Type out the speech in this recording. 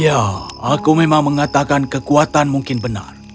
ya aku memang mengatakan kekuatan mungkin benar